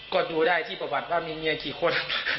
ก็ดูได้ที่ประวัติว่ามีเมียกี่คน